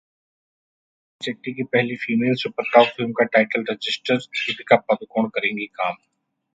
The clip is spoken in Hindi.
रोहित शेट्टी की पहली फीमेल सुपरकॉप फिल्म का टाइटल रजिस्टर, दीपिका पादुकोण करेंगी काम!